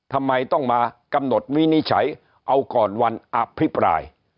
ทำไมต้องมากำหนดวินิจฉัยเอาก่อนวันอภิปราย